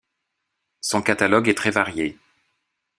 Son catalogue est très varié.